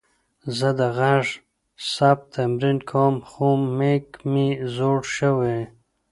زه د غږ ثبت تمرین کوم، خو میک مې زوړ شوې.